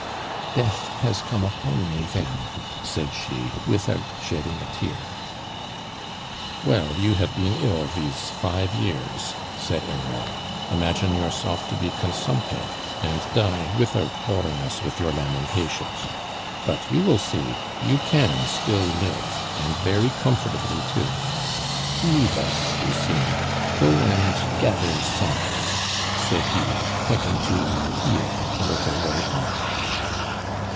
"Death has come upon me then," said she, without shedding a tear. "Well, you have been ill these five years," said Herrera. "Imagine yourself to be consumptive, and die without boring us with your lamentations. But you will see, you can still live, and very comfortably too. Leave us, Lucien go and gather sonnets!" said he, pointing to a field a little way off.